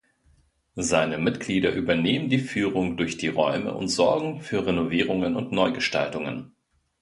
Seine Mitglieder übernehmen die Führung durch die Räume und sorgen für Renovierungen und Neugestaltungen.